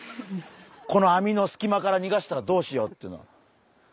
この網のすき間からにがしたらどうしようっていうの。